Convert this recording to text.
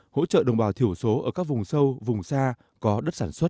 hỗ trợ đồng bào thiểu số ở các vùng sâu vùng xa có đất sản xuất